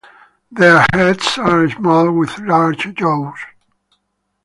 Their heads are small with large jaws.